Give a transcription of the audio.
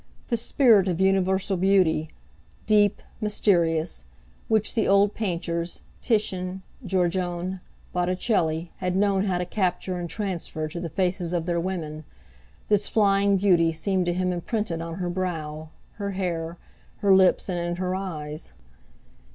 The spirit of universal beauty, deep, mysterious, which the old painters, Titian, Giorgione, Botticelli, had known how to capture and transfer to the faces of their women—this flying beauty seemed to him imprinted on her brow, her hair, her lips, and in her eyes.